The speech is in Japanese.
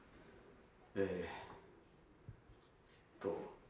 えっと。